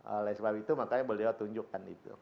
oleh sebab itu makanya beliau tunjukkan itu